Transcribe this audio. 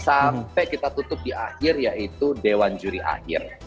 sampai kita tutup di akhir yaitu dewan juri akhir